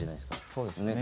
そうですね。